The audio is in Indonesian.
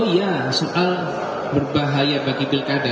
ya soal berbahaya bagi pilkada